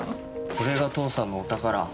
これが父さんのお宝。